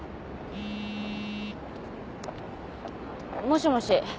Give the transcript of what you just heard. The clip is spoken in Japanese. もしもし。